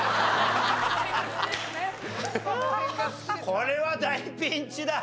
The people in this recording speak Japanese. これは大ピンチだ！